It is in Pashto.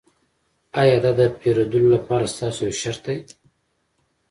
ایا دا د پیرودلو لپاره ستاسو یو شرط دی